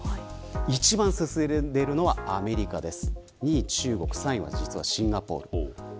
一番進んでいるのはアメリカです。